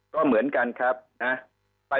ก็เหมือนกันครับนะ